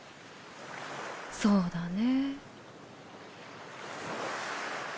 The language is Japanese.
そうだね。